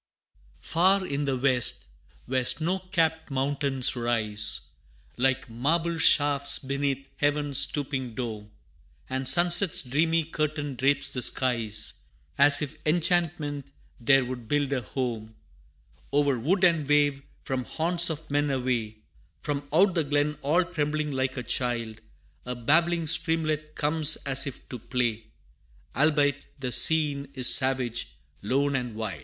Far in the West, where snow capt mountains rise, Like marble shafts beneath Heaven's stooping dome, And sunset's dreamy curtain drapes the skies, As if enchantment there would build her home O'er wood and wave, from haunts of men away From out the glen, all trembling like a child, A babbling streamlet comes as if to play Albeit the scene is savage, lone and wild.